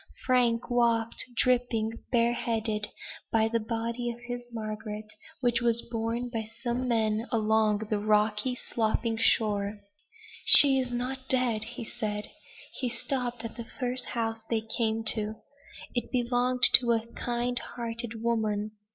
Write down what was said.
Frank walked, dripping, bareheaded, by the body of his Margaret, which was borne by some men along the rocky sloping shore. "She is not dead!" he said. He stopped at the first house they came to. It belonged to a kind hearted woman.